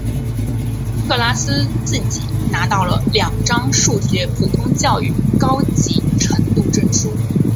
特拉斯自己拿到了两张数学普通教育高级程度证书。